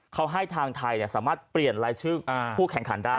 เขาให้ทางไทยสามารถเปลี่ยนรายชื่อผู้แข่งขันได้